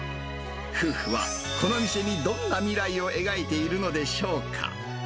夫婦はこの店にどんな未来を描いているのでしょうか。